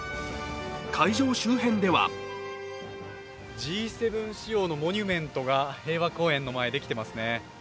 会場周辺ではＧ７仕様のモニュメントが平和公園の前にできていますね。